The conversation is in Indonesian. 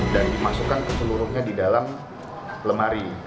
dan dimasukkan keseluruhnya di dalam lemari